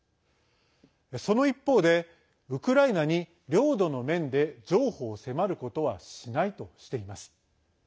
その一方で、ウクライナに領土の面で譲歩を迫ることはしないとしています。